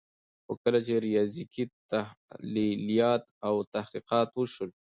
خو کله چي ریاضیکي تحلیلات او تحقیقات وسول